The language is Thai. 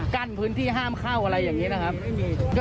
กั้นพื้นที่ห้ามเข้าอะไรอย่างนี้นะครับ